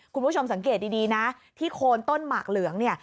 คุณผู้ชมสังเกตดีนะที่โคนต้นหมากเหลืองเนี่ย